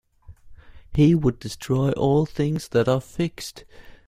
He would destroy all things that are fixed.